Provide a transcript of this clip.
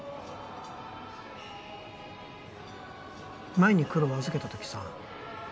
前にクロを預けた時さ